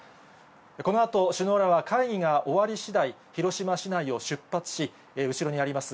このあと首脳らは会議が終わりしだい、広島市内を出発し、後ろにあります